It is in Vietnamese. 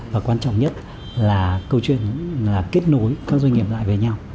và quan trọng nhất là câu chuyện là kết nối các doanh nghiệp lại với nhau